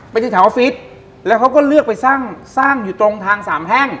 ที่แถวออฟฟิศแล้วเขาก็เลือกไปสร้างสร้างอยู่ตรงทางสามแพ่ง